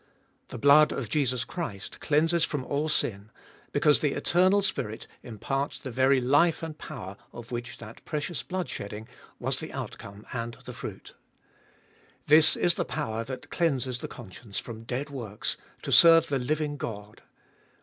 The blood of Jesus Christ cleanses from all sin, because the Eternal Spirit imparts the very life and power of which that precious blood shedding was the outcome and the fruit. This is the power that cleanses the conscience from dead works to serve the living God.